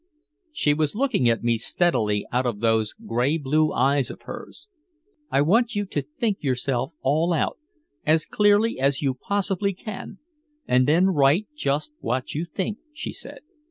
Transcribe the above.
She was looking at me steadily out of those gray blue eyes of hers. "I want you to think yourself all out as clearly as you possibly can and then write just what you think," she said.